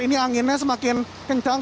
ini anginnya semakin kencang